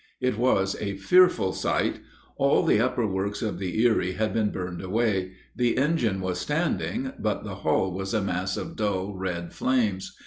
It was a fearful sight. All the upper works of the Erie had been burned away. The engine was standing, but the hull was a mass of dull, red flames.